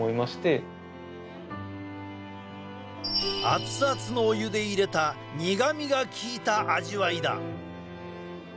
熱々のお湯でいれた苦みがきいた味わいだ。